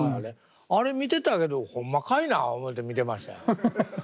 あれ見てたけどホンマかいな思うて見てましたよ。